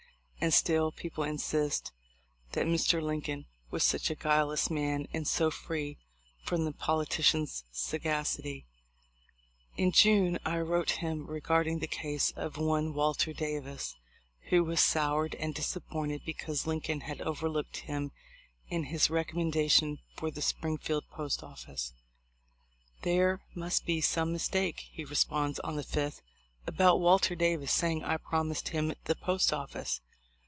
And still people insist that Mr. Lincoln was such a guileless man and so free from the politician's sagacity ! In June I wrote him regarding the case of one Walter Davis, who was soured and disappointed because Lincoln had overlooked him in his recom mendation for the Springfield post office. "There must be some mistake," he responds on the 5th, "about Walter Davis saying I promised him the post office.